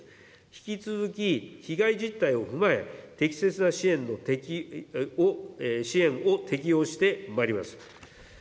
引き続き被害実態を踏まえ、適切な支援を適用してまいります。